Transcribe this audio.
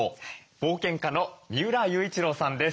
冒険家の三浦雄一郎さんです。